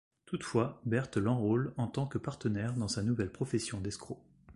Toutefois, Bert l'enrôle en tant que partenaire dans sa nouvelle profession d'escroc.